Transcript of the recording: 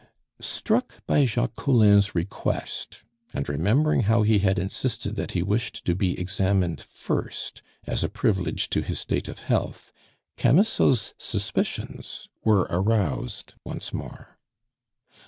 Struck by Jacques Collin's request, and remembering how he had insisted that he wished to be examined first as a privilege to his state of health, Camusot's suspicions were aroused once more.